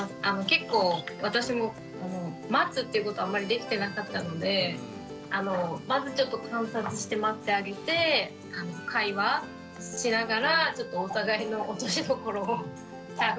結構私も待つっていうことあんまりできてなかったのでまずちょっと観察して待ってあげて会話しながらちょっとお互いの落としどころを探っていきたいなと思っています。